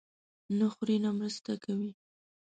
نه خوري، نه مرسته کوي.